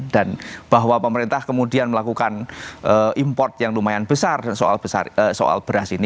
dan bahwa pemerintah kemudian melakukan import yang lumayan besar soal beras